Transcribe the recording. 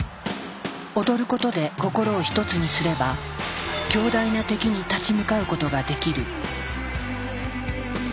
踊ることで心を一つにすれば強大な敵に立ち向かうことができる。